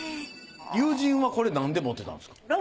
友人はこれなんで持ってたんですか？